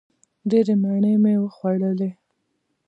ډېرې مڼې مې وخوړلې!